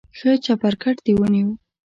ښه چپرکټ دې ونیو.